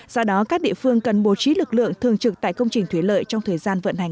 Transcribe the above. do đó các địa phương cần bố trí lực lượng thường trực tại công trình thủy lợi trong thời gian vận hành